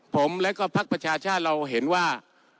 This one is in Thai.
ผมและก็พักประชาชาติเราเห็นว่า